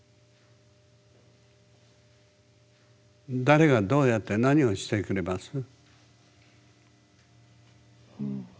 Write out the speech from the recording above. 誰がどうやって何をしてくれます？